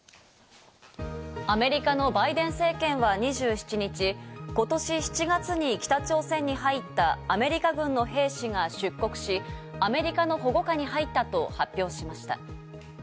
アメリカのバイデン政権は２７日、ことし７月に北朝鮮に入ったアメリカ軍の兵士が出国し、アメリカの保護下に入ったと発表しました。